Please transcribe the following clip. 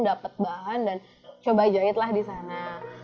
dapat bahan dan coba jahitlah di sana